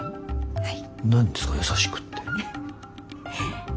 はい。